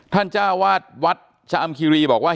จ้าวาดวัดชะอำคิรีบอกว่า